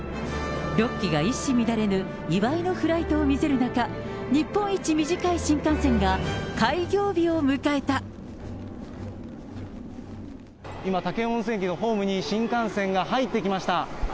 ６機が一糸乱れぬ祝いのフライトを見せる中、日本一短い新幹線が今、武雄温泉駅のホームに新幹線が入ってきました。